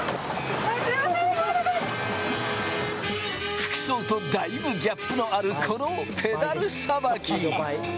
服装とだいぶギャップのある、このペダルさばき。